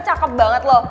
ngerasa cakep banget lo